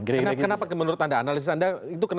kenapa menurut anda analisis anda itu kenapa harus dimunculkan